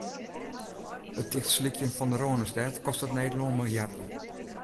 It tichtslykjen fan de Rânestêd kostet Nederlân miljarden.